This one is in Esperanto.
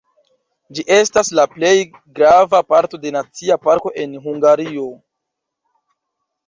Ĝi estas la plej grava parto de nacia parko en Hungario.